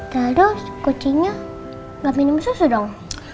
taduh kucingnya gak minum susu dong